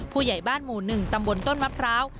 ผู้ใหญ่บ้านหมู่๑ตำบลต้นมะพร้าว